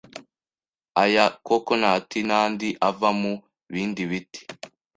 aya coconut, n’andi ava mu bindi biti,